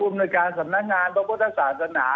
ในการสำนักงานพระพุทธศาสนา